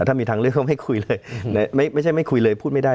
ถ้ามีทางเลือกเขาไม่คุยเลยไม่ใช่ไม่คุยเลยพูดไม่ได้